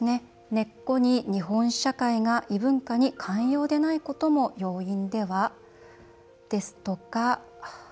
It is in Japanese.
「根っこに日本社会が異文化に寛容でないことも要因では？」ですとか。